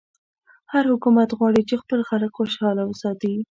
هر حکومت غواړي چې خپل خلک خوشحاله وساتي.